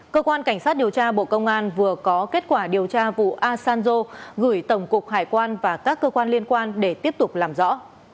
cơ quan cảnh sát điều tra bộ công an vừa có kết quả điều tra vụ asanzo gửi tổng cục hải quan và các cơ quan liên quan để tiếp tục làm rõ